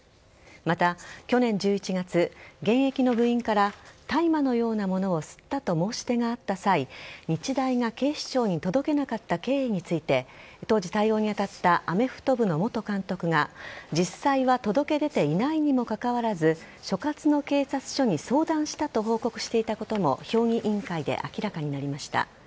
また、去年１１月現役の部員から大麻のようなものを吸ったと申し出があった際日大が警視庁に届けなかった経緯について当時、対応に当たったアメフト部の元監督が実際は届け出ていないにもかかわらず所轄の警察署に相談したと報告していたことも評議員会で明らかになりました。